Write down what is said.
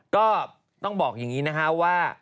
ก็ต้องบอกอย่างนี้นะคะว่า